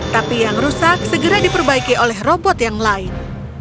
tapi yang rusak segera diperbaiki oleh robot yang lain